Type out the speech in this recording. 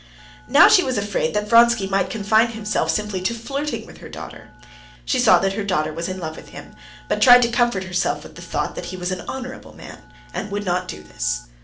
Now she was afraid that Vronsky might confine himself to simply flirting with her daughter. She saw that her daughter was in love with him, but tried to comfort herself with the thought that he was an honorable man, and would not do this.